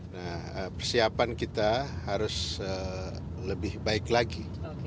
nah persiapan kita harus lebih baik lagi